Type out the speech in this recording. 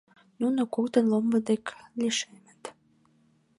Нуно коктын ломбо дек лишемыт.